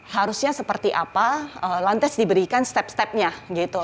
harusnya seperti apa lantes diberikan step step nya gitu